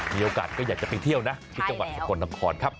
มีโอกาสก็อยากจะไปเที่ยวนะที่จังหวัดสกลนครครับ